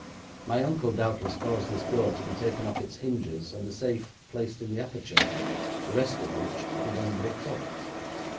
My uncle doubtless caused this door to be taken off its hinges, and the safe placed in the aperture, the rest of which he then bricked up.'